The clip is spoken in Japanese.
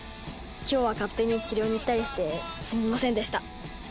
今日は勝手に治療に行ったりしてすみませんでした。